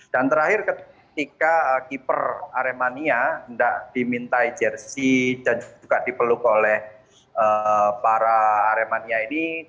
dan terakhir ketika keeper aremania tidak diminta jersi dan juga dipeluk oleh para aremania ini